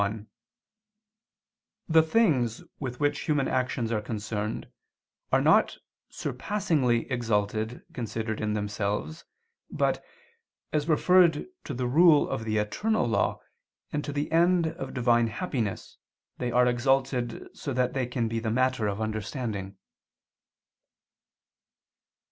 1: The things with which human actions are concerned are not surpassingly exalted considered in themselves, but, as referred to the rule of the eternal law, and to the end of Divine happiness, they are exalted so that they can be the matter of understanding.